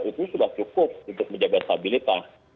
itu sudah cukup untuk menjaga stabilitas